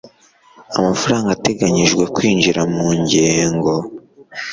amafaranga ateganyijwe kwinjira mu ngengo